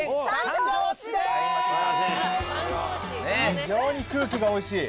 非常に空気がおいしい。